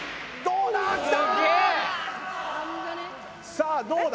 さあどうだ？